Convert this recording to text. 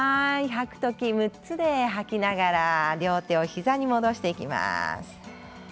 吐く時６つで吐きながら両手を膝に戻していきます。